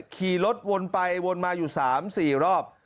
ขี่รถวนไปวนมาอยู่๓๔รอบ